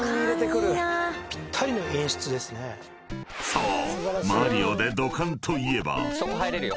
［そう］